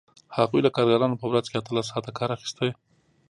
هغوی له کارګرانو په ورځ کې اتلس ساعته کار اخیست